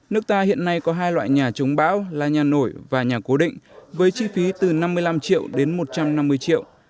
nước ta hiện nay có hai loại nhà chống bão là nhà nổi và nhà cố định với chi phí từ năm mươi năm triệu đến một trăm năm mươi triệu